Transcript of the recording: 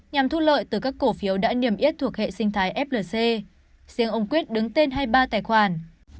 nhằm thu lợi từ các cổ phiếu đã niềm yết thuộc hệ sinh thái flc riêng ông quyết đứng tên hay ba tài khoản